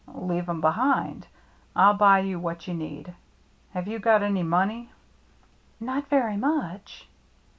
" Leave 'em behind. I'll buy you what you need. Have you got any money ?" "Not very much?"